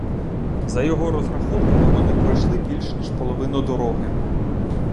За його розрахунками, вони пройшли більше ніж половину дороги.